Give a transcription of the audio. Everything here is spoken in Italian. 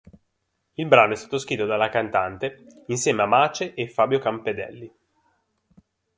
Il brano è stato scritto dalla cantante insieme a Mace e Fabio Campedelli.